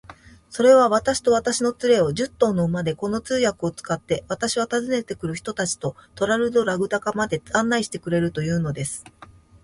それは、私と私の連れを、十頭の馬で、この通訳を使って、私は訪ねて来る人たちとトラルドラグダカまで案内してくれるというのです。